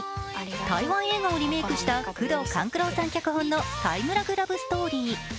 台湾映画をリメークした宮藤官九郎さん脚本のタイムラグ・ラブストーリー。